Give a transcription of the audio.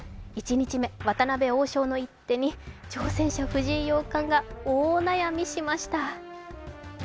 １日目、渡辺王将の一手に挑戦者・藤井四冠が大悩みしました。